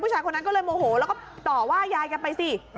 ผู้ชายคนนั้นก็เลยโมโหแล้วก็ต่อว่ายายกันไปสิ